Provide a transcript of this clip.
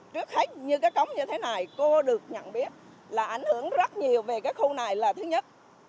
trước hết như cái cống như thế này cô được nhận biết là ảnh hưởng rất nhiều về cái khu này là thứ nhất